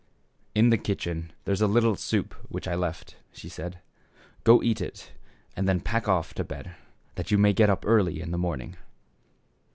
" In the kitchen there is a little soup which I left," said she, " go eat it, and then pack off to bed, that you may get up earlier in the morning."